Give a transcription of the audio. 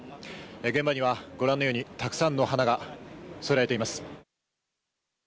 現場にはご覧のようにたくさんの花が供えられています。